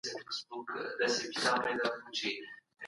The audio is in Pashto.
ولسي جرګه به د شهيدانو د کورنيو سره مرستې وېشي.